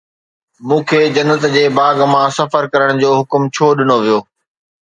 مون کي جنت جي باغ مان سفر ڪرڻ جو حڪم ڇو ڏنو ويو؟